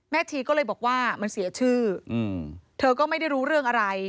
ชีก็เลยบอกว่ามันเสียชื่อเธอก็ไม่ได้รู้เรื่องอะไร